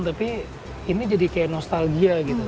tapi ini jadi kayak nostalgia gitu